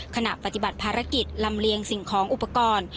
ขณะปฏิบัติภารกิจลำเลียงสิ่งของอุปกรณ์